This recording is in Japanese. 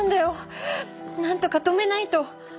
なんとか止めないと！